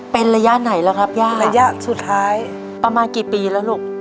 เป็นระยะไหนแล้วครับย่าระยะสุดท้ายประมาณกี่ปีแล้วลูก